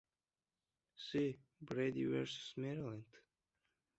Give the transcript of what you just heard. See Brady versus Maryland.